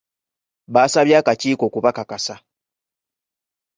Baasabye akakiiko okubakakasa.